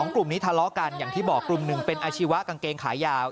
กลุ่มนี้ทะเลาะกันอย่างที่บอกกลุ่มหนึ่งเป็นอาชีวะกางเกงขายาว